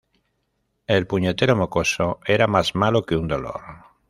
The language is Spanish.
El puñetero mocoso era más malo que un dolor